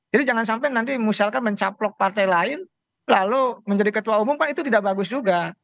jadi jangan sampai nanti misalkan mencaplok partai lain lalu menjadi ketua umum kan itu tidak bagus juga